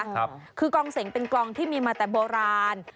คือกองเสงเป็นกองที่มีมาแต่โบราณ